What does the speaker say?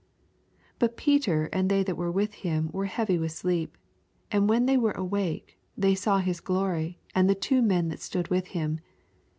' 82 But Peter and they that were with him were heavy with sleep : and when they were awake, they saw his gloiy. and the two men that stood with him.